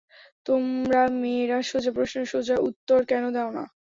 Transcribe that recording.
তোমরা মেয়েরা, সোজা প্রশ্নের সোজা উত্তর কেন দেও না?